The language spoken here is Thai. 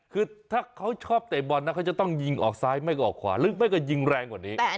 คือถ้าเขาชอบเตะบอลนะได้ยิงออกซ้ายออกขวาไม่ก็ยิงแรงกว่านี้